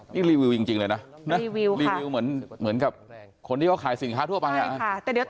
นี่รีวิวจริงเลยนะรีวิวค่ะรีวิวเหมือนกับคนที่ก็ขายสินค้าทั่วประมาณนี้